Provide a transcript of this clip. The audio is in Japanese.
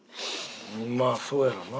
まあそうやろうな。